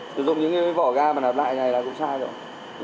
sử dụng những cái vỏ ga mà nạp lại này là cũng sai rồi